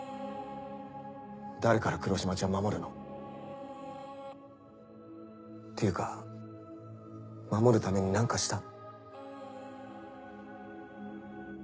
誰から黒島ちゃん守るの？っていうか守るために何かした？